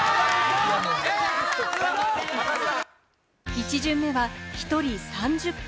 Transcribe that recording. １巡目は１人３０分。